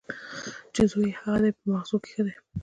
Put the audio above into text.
چې زوی یې هغه دی په مغزو کې ښه دی.